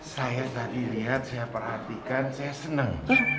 saya tadi lihat saya perhatikan saya senang